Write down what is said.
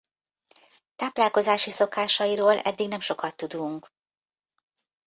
Táplálkozási szokásairól eddig nem sokat tudunk.